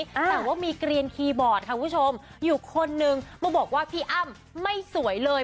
แต่ว่ามีเกลียนคีย์บอร์ดค่ะคุณผู้ชมอยู่คนนึงมาบอกว่าพี่อ้ำไม่สวยเลย